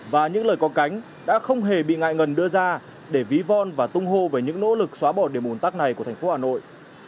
và những lời có cánh đã không hề bị ngại ngần đưa ra để ví von và tung hô về những nỗ lực xóa bỏ điểm ủn tắc này của thành phố hà nội